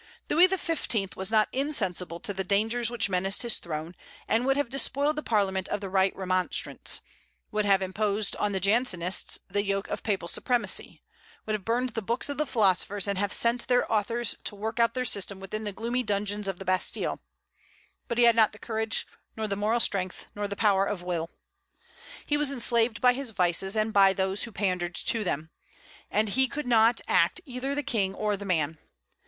"Louis XV. was not insensible to the dangers which menaced his throne, and would have despoiled the Parliament of the right of remonstrance; would have imposed on the Jansenists the yoke of Papal supremacy; would have burned the books of the philosophers, and have sent their authors to work out their system within the gloomy dungeons of the Bastille;" but he had not the courage, nor the moral strength, nor the power of will. He was enslaved by his vices, and by those who pandered to them; and he could not act either the king or the man.